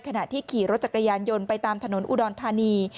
ขณะที่ขี่รถจักรยานยนต์ไปตามถนนอุดรธานี